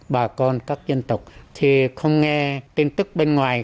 bà con các dân tộc thì không nghe tin tức bên ngoài